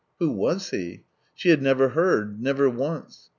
" Who was He ?" She had never heard, never once.